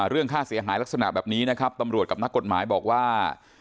เรื่องค่าเสียหายลักษณะแบบนี้นะครับตำรวจกับนักกฎหมายบอกว่า